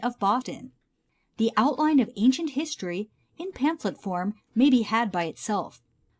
of Boston. The "Outline of Ancient History," in pamphlet form may be had by itself.